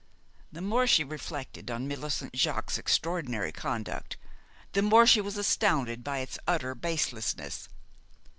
The more she reflected on Millicent Jaques's extraordinary conduct, the more she was astounded by its utter baselessness.